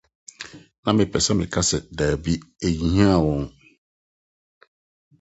Na mepɛ sɛ meka sɛ: Dabi, enhiaa wɔn.